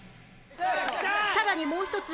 さらにもう一つ